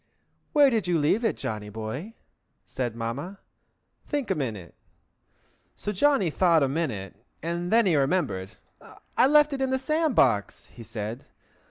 "Where did you leave it, Johnny Boy?" said Mamma. "Think a minute!" So Johnny thought a minute, and then he remembered. "I left it in the sand box," he said.